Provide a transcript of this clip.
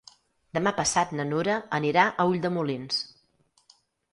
Demà passat na Nura anirà a Ulldemolins.